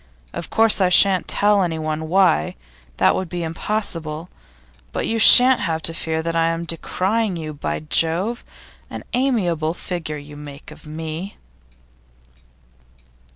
Of course I shan't tell anyone why; that would be impossible. But you shan't have to fear that I am decrying you. By Jove! an amiable figure you make of me!